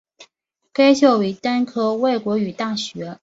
该校为单科外国语大学。